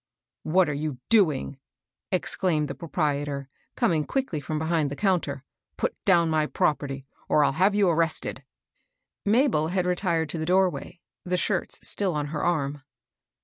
" What are you doing ?" exclaimed the propri etor, coming quickly from behind the counter. "Put down my property, or I'll have you ar rested." MABEL*S NEW EMPLOYER. 97 Mabel had retired to the doorway, the shirts stiU on her arm.